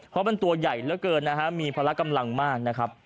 เพราะมันตัวใหญ่เหลือเกินนะฮะมีพละกำลังมากนะครับ